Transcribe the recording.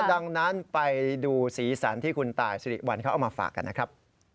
ดังนั้นไปดูสีสันที่คุณตายสิริวัลเขาเอามาฝากกันนะครับ